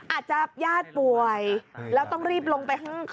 อาจจะญาติป่วยแล้วต้องรีบลงไปข้าง